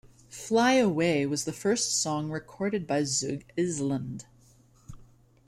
"Fly Away" was the first song recorded by Zug Izland.